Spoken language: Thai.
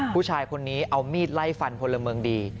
ผู้ชายคนนี้เอามีดไล่ฟันพลเมืองดี